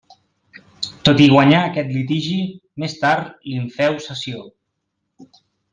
Tot i guanyar aquest litigi, més tard li'n féu cessió.